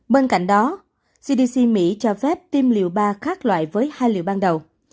bên cạnh đó cdc mỹ cho phép tiêm liều ba khác loại với hai liệu ban đầu